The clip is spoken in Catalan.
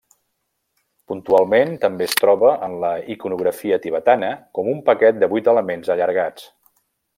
Puntualment també es troba en la iconografia tibetana com un paquet de vuit elements allargats.